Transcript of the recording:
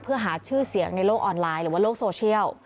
เพื่อหาชื่อเสียงในโลกออนไลน์หรือว่าโลกโซเชียล